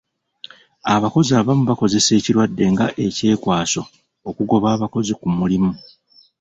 Abakozesa abamu bakozesa ekirwadde nga ekyekwaso okugoba abakozi ku mulimu.